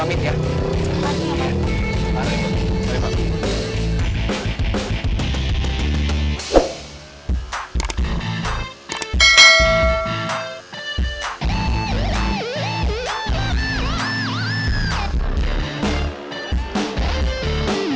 iya dengan kejadian ini saya sadar